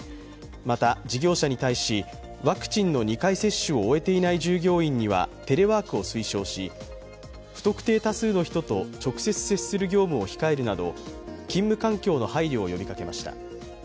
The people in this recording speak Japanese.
また事業者に対し、ワクチンの２回接種を終えていない従業員にはテレワークを推奨し、不特定多数の人と直接接触する業務を控えるなど、勤務環境の配慮を呼びかけました。